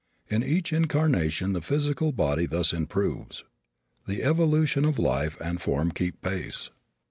In each incarnation the physical body thus improves. The evolution of life and form keep pace.